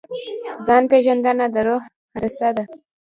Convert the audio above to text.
ځان پېژندنه د روح هندسه ده.